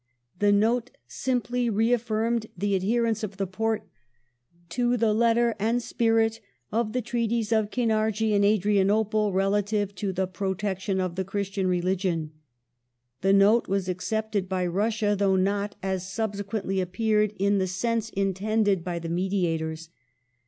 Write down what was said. The Note simply reaffirmed the adherence of the Porte to " the letter and spirit of the treaties of Kainardji and Adrianople relative to the protection of the Christian religion ". The Note was accepted by Russia, though not, as subsequently appeared, in the sense intended by the mediators.